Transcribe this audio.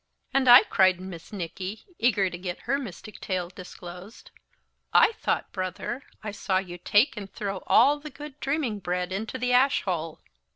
"And I," cried Miss Nicky, eager to get her mystic tale disclosed, "I thought, brother, I saw you take and throw all the good dreaming bread into the ash hole."